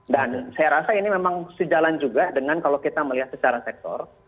dan saya rasa ini memang sejalan juga dengan kalau kita melihat secara sektor